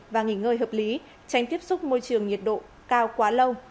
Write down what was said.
và nghỉ ngơi hợp lý tránh tiếp xúc môi trường nhiệt độ cao quá lâu